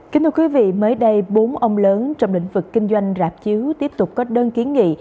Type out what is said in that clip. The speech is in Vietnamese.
kính thưa quý vị mới đây bốn ông lớn trong lĩnh vực kinh doanh rạp chiếu tiếp tục có đơn kiến nghị